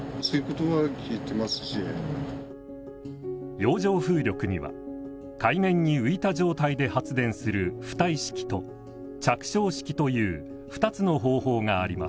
洋上風力には海面に浮いた状態で発電する浮体式と着床式という２つの方法があります。